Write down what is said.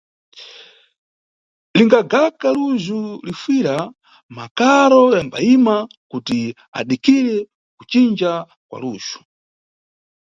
Lingagaka lujhu lifuyira makaro yambayima kuti adikire kucinja kwa lujhu.